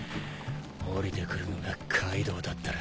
下りてくるのがカイドウだったら。